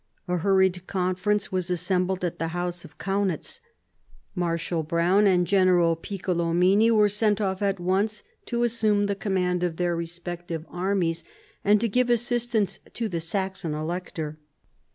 A hurried conference was assembled at the house of Kaunitz; Marshal Browne and General Piccolomini were sent off at once to assume the command of their respective armies, and to give assistance to the Saxon Elector.